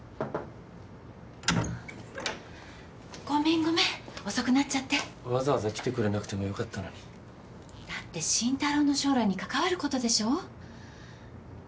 ごめんごめん遅くなっちゃってわざわざ来てくれなくてもよかったのにだって慎太郎の将来に関わることでしょ？